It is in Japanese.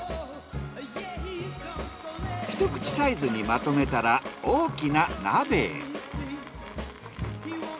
一口サイズにまとめたら大きな鍋へ。